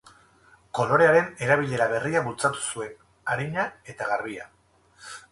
Kolorearen erabilera berria bultzatu zuen, arina eta garbia.